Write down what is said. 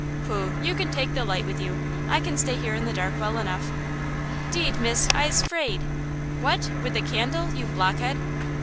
"Pooh! you can take the light with you! I can stay here in the dark well enough." "'Deed, miss, I'se 'fraid!" "What! with the candle, you blockhead?"